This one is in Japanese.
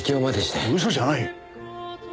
嘘じゃない！